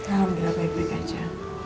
alhamdulillah baik baik aja